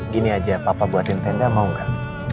gini aja papa buatin tenda mau nggak